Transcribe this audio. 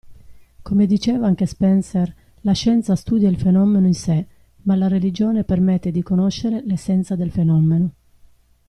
Come diceva anche Spencer la scienza studia il fenomeno in sé ma la religione permette di conoscere l'essenza del fenomeno.